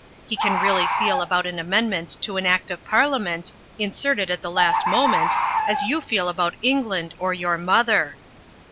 He can really feel about an amendment to an Act of Parliament, inserted at the last moment, as you feel about England or your mother."